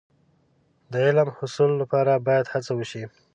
د علم د حصول لپاره باید هڅه وشي.